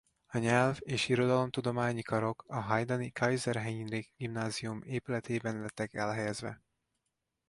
A Nyelv- és Irodalomtudományi Karok a hajdani Kaiser-Heinrich Gymnasium épületében lettek elhelyezve.